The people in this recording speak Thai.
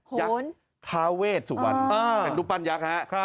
หนยักษ์ทาเวชสุวรรค์เป็นรุปัญญักษ์นะครับ